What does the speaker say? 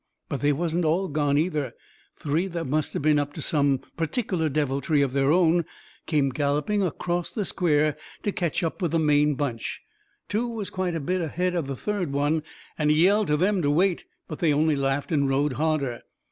But they wasn't all gone, either. Three that must of been up to some pertic'ler deviltry of their own come galloping acrost the square to ketch up with the main bunch. Two was quite a bit ahead of the third one, and he yelled to them to wait. But they only laughed and rode harder.